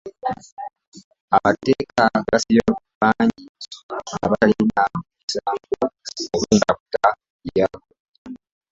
Amateeka gasibye bangi abatalina musango olw'entaputa yaago.